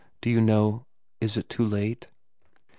Do you know is it too late?"